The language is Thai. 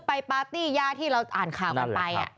ปาร์ตี้ยาที่เราอ่านข่าวกันไป